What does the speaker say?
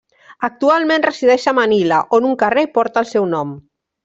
Actualment resideix a Manila, on un carrer porta el seu nom.